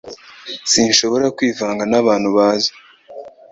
Sinshobora kwivanga nabantu baza